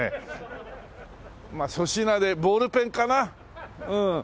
まあ粗品でボールペンかな？